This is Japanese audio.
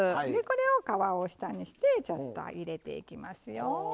これを皮を下にしてちょっと入れていきますよ。